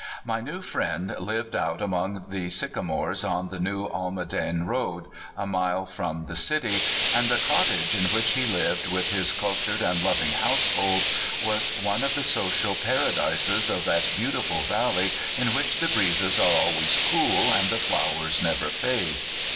My new friend lived out among the sycamores on the New Almaden Road, a mile from the city, and the cottage in which he lived with his cultured and loving household was one of the social para dises of that beautiful valley in which the breezes are always cool, and the flowers never fade.